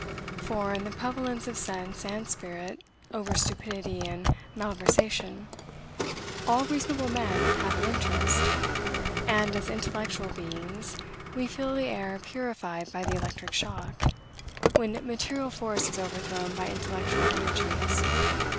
For, in the prevalence of sense and spirit over stupidity and malversation, all reasonable men have an interest; and, as intellectual beings, we feel the air purified by the electric shock, when material force is overthrown by intellectual energies.